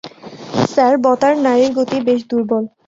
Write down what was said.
Sir, বতার নাড়ির গতি বেশ দূর্বল।